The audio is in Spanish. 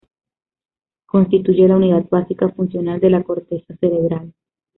Constituye la unidad básica funcional de la corteza cerebral.